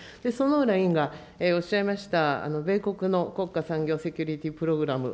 薗浦委員がおっしゃいました米国の国家産業セキュリティプログラム